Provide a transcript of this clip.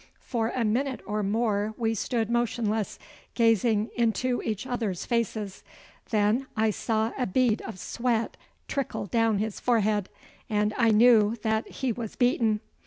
For a minute or more we stood motionless, gazing into each other's faces. Then I saw a bead of sweat trickle down his forehead, and I knew that he was beaten.